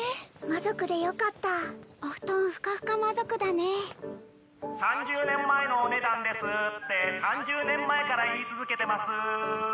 魔族でよかったお布団フカフカ魔族だね３０年前のお値段ですって３０年前から言い続けてます